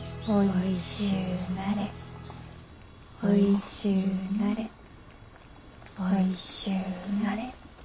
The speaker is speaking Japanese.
おいしゅうなれ。